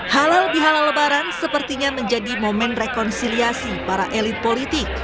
halal bihalal lebaran sepertinya menjadi momen rekonsiliasi para elit politik